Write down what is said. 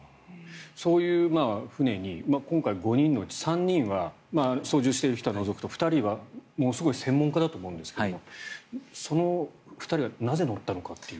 そういう船に今回、５人のうち３人は操縦してる人は除くと２人はものすごい専門家だと思うんですがその２人はなぜ乗ったのかという。